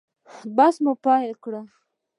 بحث مو پیل کړ.